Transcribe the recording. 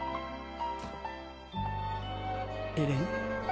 エレン？